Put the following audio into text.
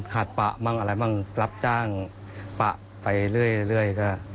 หาดปะบ้างอะไรบ้างรับจ้างปะไปเรื่อยก็